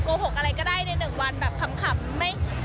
โกหกอะไรก็ได้ในหนึ่งวันแบบขำไม่